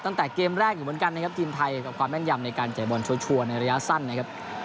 ตั้งแต่เกมแรกอยู่เหมือนกันนะครับทีมไทยกับความแม่นยำในการเตะบอลชัวร์ในระยะสั้นนะครับ